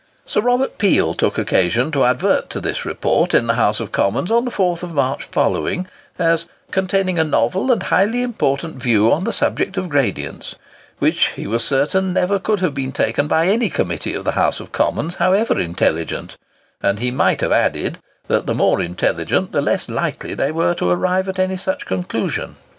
Sir Robert Peel took occasion to advert to this Report in the House of Commons on the 4th of March following, as containing "a novel and highly important view on the subject of gradients, which, he was certain, never could have been taken by any Committee of the House of Commons, however intelligent;" and he might have added, that the more intelligent, the less likely they were to arrive at any such conclusion.